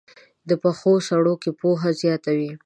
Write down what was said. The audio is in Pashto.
پخو سړو کې پوهه زیاته وي